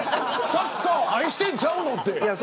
サッカーを愛してるんちゃうの。